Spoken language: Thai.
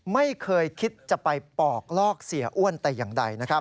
ไม่เคยคิดจะไปปอกลอกเสียอ้วนแต่อย่างใดนะครับ